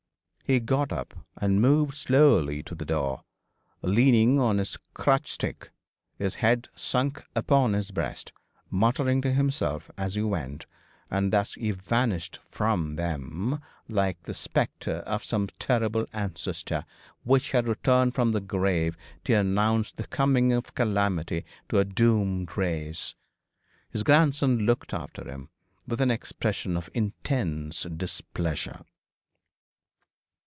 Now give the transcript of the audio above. He got up, and moved slowly to the door, leaning on his crutch stick, his head sunk upon his breast, muttering to himself as he went; and thus he vanished from them, like the spectre of some terrible ancestor which had returned from the grave to announce the coming of calamity to a doomed race. His grandson looked after him, with an expression of intense displeasure.